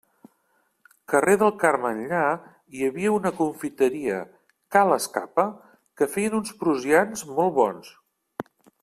Carrer del Carme enllà hi havia una confiteria, ca l'Escapa, que feien uns prussians molt bons.